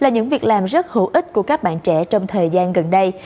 những việc làm rất hữu ích của các bạn trẻ trong thời gian gần đây